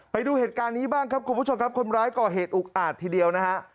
ไปดูเหตุการณ์นี้บ้างครับคุณผู้ชมครับคนร้ายก่อเหตุอุกอาจทีเดียวนะฮะ